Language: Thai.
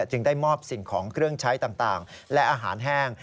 จึงได้มอบสิ่งของเครื่องใช้ต่างและอาหารแห้ง